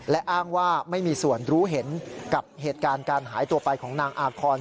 และอ้างว่าไม่มีส่วนรู้เห็นกับเหตุการณ์การหายตัวไปของนางอาคอน